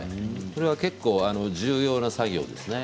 これは結構重要な作業ですね。